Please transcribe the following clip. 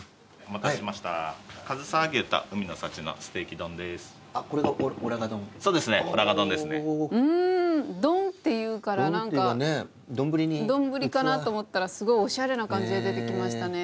丼っていうから何か丼かなと思ったらすごいおしゃれな感じで出てきましたね。